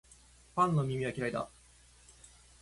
パンの耳は嫌いだ